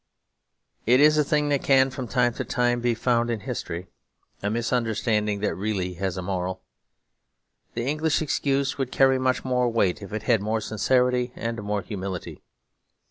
It is a thing that can from time to time be found in history; a misunderstanding that really has a moral. The English excuse would carry much more weight if it had more sincerity and more humility.